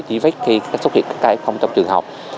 chi vết khi xuất hiện các cây không trong trường học